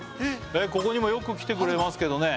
ここにもよく来てくれますけどね